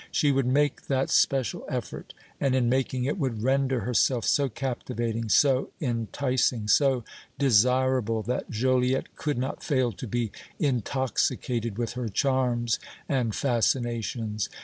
She would make that special effort and, in making it, would render herself so captivating, so enticing, so desirable that Joliette could not fail to be intoxicated with her charms and fascinations.